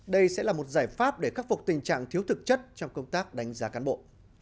đây sẽ là một giải pháp để khắc phục tình trạng thiếu thực chất trong công tác đánh giá cán bộ